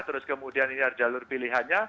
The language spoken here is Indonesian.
terus kemudian ini ada jalur pilihannya